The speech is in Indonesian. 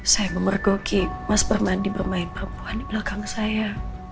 saya memergoki mas permadi bermain perempuan di belakang saya